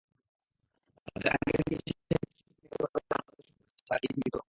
তার আগে দেখিয়েছেন পশ্চিম পাকিস্তানিরা কীভাবে আমাদের শোষণ করেছে, তার ইতিবৃত্ত।